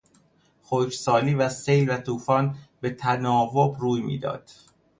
خشکسالی و سیل و توفان به تناوب روی میداد.